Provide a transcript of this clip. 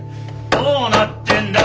どうなってんだ！？